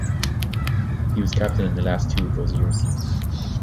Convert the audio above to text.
He was captain in the last two of those years.